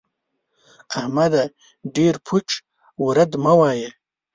احمده! ډېر پوچ و رد مه وايه.